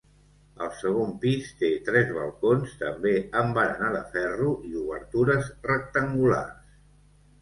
El segon pis té tres balcons, també amb barana de ferro i obertures rectangulars.